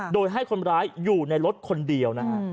โดยให้คนร้ายอยู่ในรถคนเดียวนะฮะ